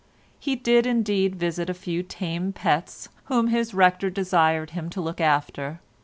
He did indeed visit a few tame pets whom his rector desired him to look after.